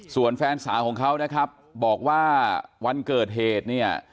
ส่วนแฟนสาวของเขานะครับบอกว่าวันเกิดเหตุเนี่ย